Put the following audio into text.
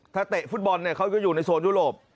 ถ้าเตะฟุตบอลเนี่ยเขาจะอยู่ในโซนยุโรป